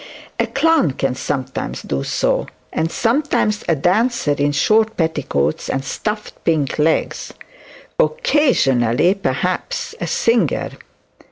A clown can sometimes do so, and sometimes a dancer in short petticoats and stuffed pink legs; occasionally, perhaps, a singer.